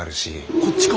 こっちか？